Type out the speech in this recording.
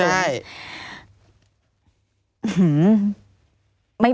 ใช่